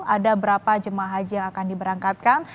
ada berapa jemaah haji yang akan diberangkatkan